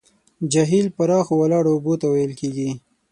جهیل پراخو ولاړو اوبو ته ویل کیږي.